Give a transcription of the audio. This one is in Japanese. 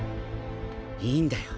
いいんだよ。